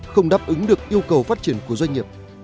không đáp ứng được yêu cầu phát triển của doanh nghiệp